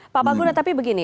pak palguna tapi begini